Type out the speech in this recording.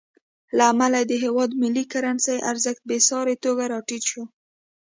له امله یې د هېواد ملي کرنسۍ ارزښت بېساري توګه راټیټ شو.